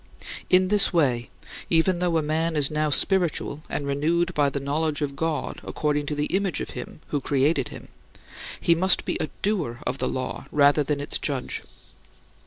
In this way, even though a man is now spiritual and renewed by the knowledge of God according to the image of him who created him, he must be a doer of the law rather than its judge.